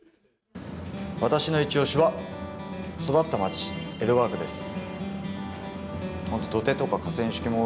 私のいちオシは育った町、江戸川区です。